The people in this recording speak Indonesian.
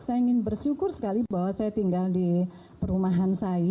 saya ingin bersyukur sekali bahwa saya tinggal di perumahan saya